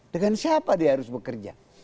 dengan siapa dia harus bekerja